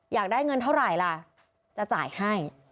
อยากได้เงินเท่าไหร่ล่ะจะจ่ายให้